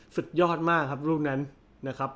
สุดยอดมากครับลูกนั้นนะครับ